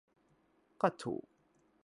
ก็ถูก